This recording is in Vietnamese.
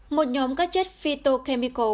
một nhóm các chất phytochemical